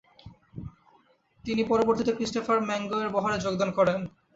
তিনি পরবর্তীতে Christopher Myngs এর বহরে যোগদান করেন।